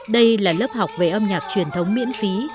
đây là lớp học về âm nhạc truyền thống miễn phí